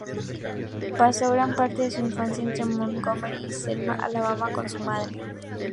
Pasó gran parte de su infancia entre Montgomery y Selma, Alabama con su madre.